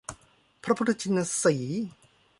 พระพุทธชินสีห์